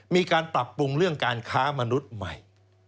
มีการปรับปรุงเรื่องการค้ามนุษย์ใหม่